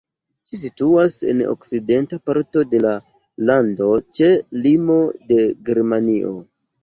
Ĝi situas en okcidenta parto de la lando ĉe limo de Germanio.